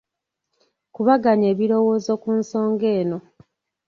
Kubaganya ebirowoozo ku nsonga eno.